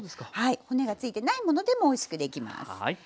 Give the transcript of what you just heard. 骨が付いてないものでもおいしくできます。